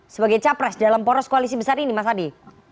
sebagai capres dalam poros koalisi besar ini mas adi